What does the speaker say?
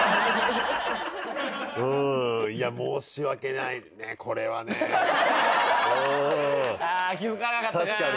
うーんいや申し訳ないねこれはね。ああ気づかなかったか。